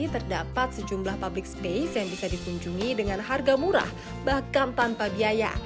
terdapat sejumlah public space yang bisa dikunjungi dengan harga murah bahkan tanpa biaya